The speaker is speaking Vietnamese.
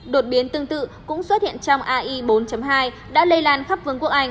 đột biến tương tự cũng xuất hiện trong ai bốn hai đã lây lan khắp vương quốc anh